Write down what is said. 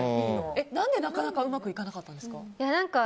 何で、なかなかうまくいかなかったんですか。